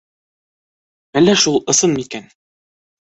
Әллә шул ысын микән?